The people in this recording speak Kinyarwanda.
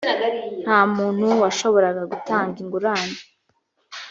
nta muntu washoboraga gutanga ingurane .